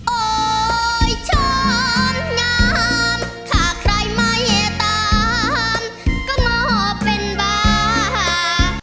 โอ๊ยช้อนงามถ้าใครไม่ตามก็มอบเป็นบ้า